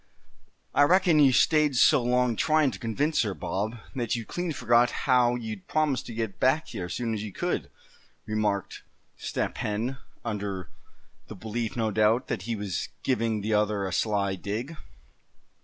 "I reckon you stayed so long tryin' to convince her, Bob, that you clean forgot how you'd promised to get back here as soon as you could?" remarked Step Hen, under the belief, no doubt, that he was giving the other a sly dig.